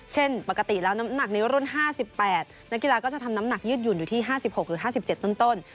เช่นปกติแล้วน้ำหนักในรุ่น๕๘นักกีฬาก็จะทำน้ำหนักยืดหยุ่นอยู่ที่๕๖หรือ๕๗ต้น